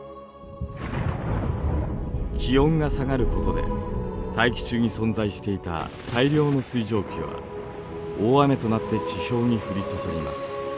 気温が下がることで大気中に存在していた大量の水蒸気は大雨となって地表に降り注ぎます。